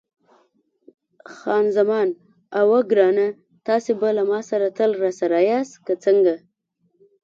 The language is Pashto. خان زمان: اوه ګرانه، تاسي به له ما سره تل راسره یاست، که څنګه؟